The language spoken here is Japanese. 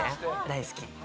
大好き。